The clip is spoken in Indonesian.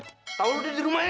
tau lu udah di rumah ya